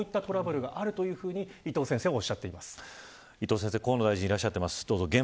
伊藤先生、河野大臣がいらっしゃっています。